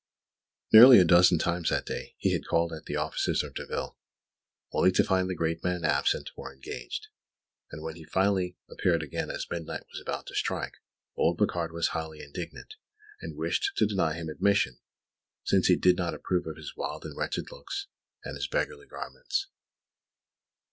Nearly a dozen times that day had he called at the offices of Derville, only to find the great man absent, or engaged; and when he finally appeared again as midnight was about to strike, old Boucard was highly indignant, and wished to deny him admission, since he did not approve of his wild and wretched looks and his beggarly garments.